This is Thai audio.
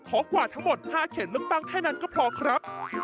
กว่าทั้งหมด๕เขตเลือกตั้งแค่นั้นก็พอครับ